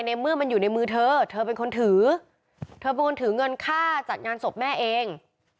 เมื่อมันอยู่ในมือเธอเธอเป็นคนถือเธอเป็นคนถือเงินค่าจัดงานศพแม่เอง